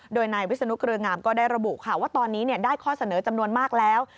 โดยนายวิศนุเกลืองามก็ได้ระบุค่ะว่าตอนนี้ได้ข้อเสนอจำนวนมากแล้ว